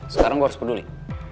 sekarang gue harus peduli